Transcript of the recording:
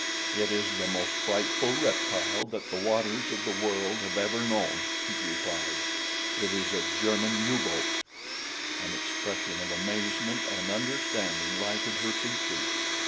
"It is the most frightful reptile that the waters of the world have ever known," he replied. "It is a German U boat!" An expression of amazement and understanding lighted her features.